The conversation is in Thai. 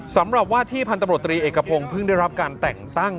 สำหรับว่าที่พันธบรตรีเอกพงศ์เพิ่งได้รับการแต่งตั้ง